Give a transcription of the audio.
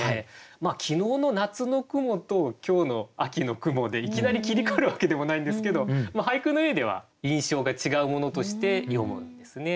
まあ昨日の夏の雲と今日の秋の雲でいきなり切り替わるわけでもないんですけど俳句の上では印象が違うものとして詠むんですね。